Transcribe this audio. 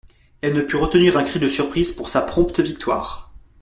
Elle ne put retenir un cri de surprise pour sa prompte victoire.